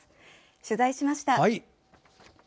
取材しました。